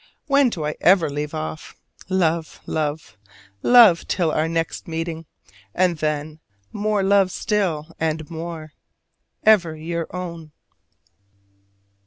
When do I ever leave off? Love, love, love till our next meeting , and then more love still, and more! Ever your own.